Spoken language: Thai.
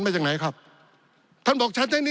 ปี๑เกณฑ์ทหารแสน๒